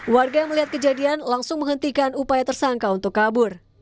warga yang melihat kejadian langsung menghentikan upaya tersangka untuk kabur